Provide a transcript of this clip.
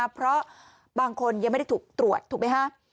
เพราะบางคนยังไม่ได้ถูกตรวจถูกไหมฮะ